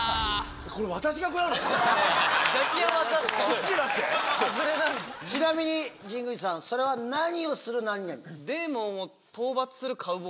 ちなみに神宮寺さんそれは何をする何々？